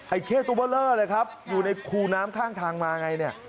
เข้ตัวเบอร์เลอร์เลยครับอยู่ในคูน้ำข้างทางมาไงเนี่ย